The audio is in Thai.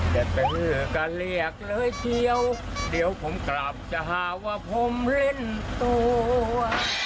จะตื้อก็เรียกเลยทีเดียวเดี๋ยวผมกลับจะหาว่าผมเล่นตัว